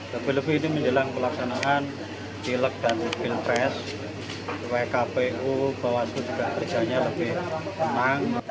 lebih lebih ini menilang pelaksanaan di lek dan di pil pres supaya kpu bawaslu juga kerjanya lebih senang